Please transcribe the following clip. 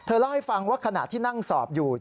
เล่าให้ฟังว่าขณะที่นั่งสอบอยู่